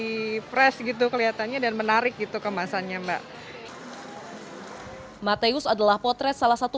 di press gitu kelihatannya dan menarik gitu kemasannya mbak mateus adalah potret salah satu